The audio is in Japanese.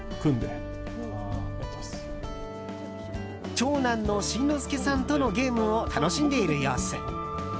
長男の新之助さんとのゲームを楽しんでいる様子。